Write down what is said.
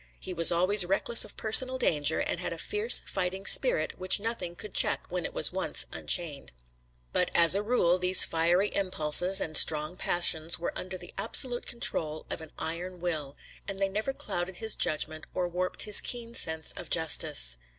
He was always reckless of personal danger, and had a fierce fighting spirit which nothing could check when it was once unchained. But as a rule these fiery impulses and strong passions were under the absolute control of an iron will, and they never clouded his judgment or warped his keen sense of justice.